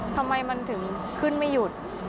ทำไมมันถึงขึ้นไม่หยุด